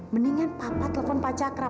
mendingan papa telepon pacarkan